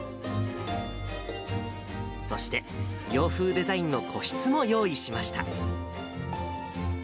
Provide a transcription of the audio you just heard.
そして、洋風デザインの個室も用意しました。